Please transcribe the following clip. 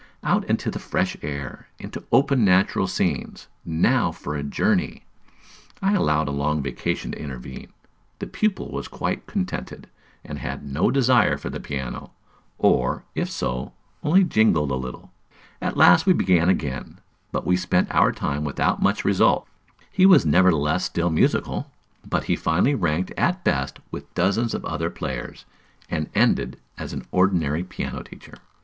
Out into the fresh air! into open natural scenes! Now for a journey! I allowed a long vacation to intervene; the pupil was quite contented, and had no desire for the piano, or, if so, only jingled a little. At last we began again, but we spent our time without much result; he was nevertheless still musical, but he finally ranked at best with dozens of other players, and ended as an ordinary piano teacher.